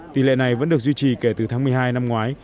tỷ lệ này vẫn được duy trì kể từ tháng một mươi hai năm ngoái